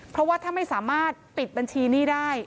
เพราะว่าถ้าไม่สามารถปิดบัญชีหนี้ได้